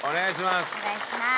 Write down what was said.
お願いします。